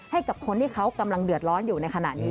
ให้กับคนที่เขากำลังเดือดร้อนอยู่ในขณะนี้